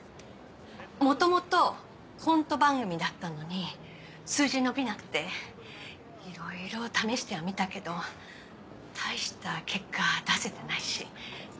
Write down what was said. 元々コント番組だったのに数字伸びなくていろいろ試してはみたけど大した結果出せてないし。